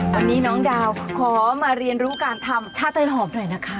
วันนี้น้องดาวขอมาเรียนรู้การทำชาติไทยหอมหน่อยนะคะ